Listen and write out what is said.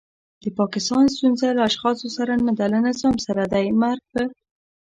د پاکستان ستونزه له اشخاصو سره نده له نظام سره دی. مرګ په